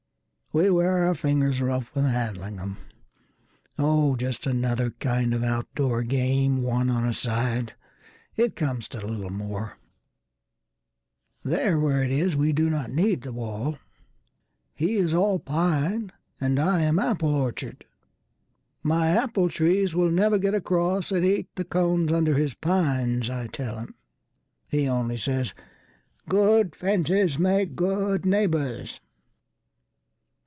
We wear our fingers rough with handling them. Oh, just another kind of out door game, One on a side. It comes to little more:There where it is we do not need the wall:He is all pine and I am apple orchard.My apple trees will never get acrossAnd eat the cones under his pines, I tell him. He only says, "Good fences make good neighbours."